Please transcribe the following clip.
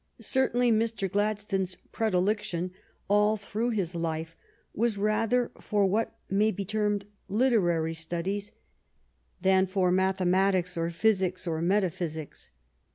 Certainly Mr. Gladstone's predilection all through his life was rather for what may be termed literary studies than for mathematics or physics or metaphysics.